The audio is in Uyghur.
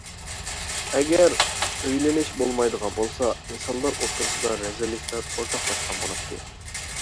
ئەگەر ئۆيلىنىش بولمايدىغان بولسا, ئىنسانلار ئوتتۇرىسىدا رەزىللىكلەر ئورتاقلاشقان بولاتتى.